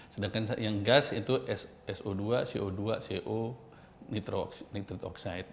sedangkan yang gas itu so dua co dua co nitro oxide